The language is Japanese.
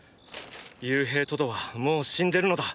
勇兵トドはもう死んでるのだ。